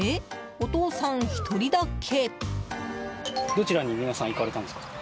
お父さん１人だけ。